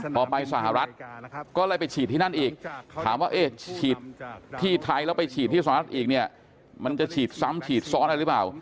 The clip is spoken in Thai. พอไปสหรัฐก็เลยไปฉีดที่นั่นอีกถามว่าเอ๊ะฉีดที่ไทยแล้วไปฉีดที่สหรัฐอีกเนี่ยมันจะฉีดซ้ำฉีดซ้อนอะไรหรือเปล่า